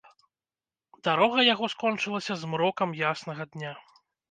Дарога яго скончылася змрокам яснага дня.